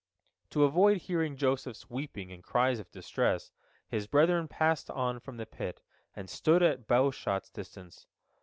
To avoid hearing Joseph's weeping and cries of distress, his brethren passed on from the pit, and stood at a bow shot's distance.